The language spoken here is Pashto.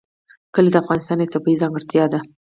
کلي د افغانستان یوه طبیعي ځانګړتیا ده.